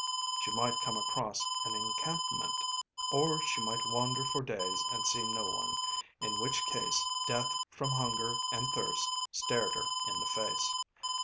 She might come across an encampment, or she might wander for days and see no one, in which case death from hunger and thirst stared her in the face.